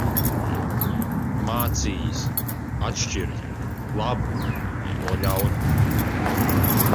Mācījis atšķirt labu no ļauna.